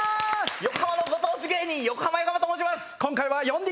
横浜のご当地芸人横浜ヨコハマと申します。